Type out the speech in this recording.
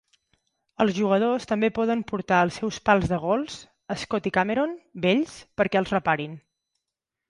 Els jugadors també poden portar els seus pals de gols Scotty Cameron vells perquè els reparin.